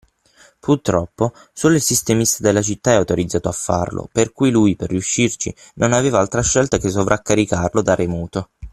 Purtroppo, solo il sistemista della città è autorizzato a farlo, per cui lui per riuscirci non aveva altra scelta che sovraccaricarlo da remoto.